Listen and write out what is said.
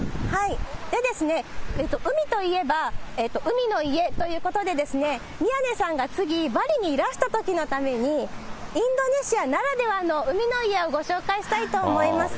海といえば、海の家ということで、宮根さんが次、バリにいらしたときのために、インドネシアならではの海の家をご紹介したいと思います。